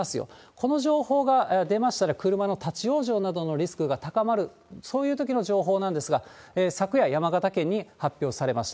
この情報が出ましたら、車の立往生などのリスクが高まる、そういうときの情報なんですが、昨夜、山形県に発表されました。